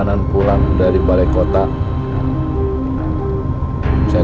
ini pengetahuan dari para pembangunan karena